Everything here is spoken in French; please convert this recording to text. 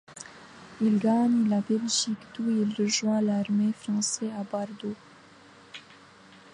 Il gagne la Belgique, d'où il rejoint l'armée française à Bordeaux.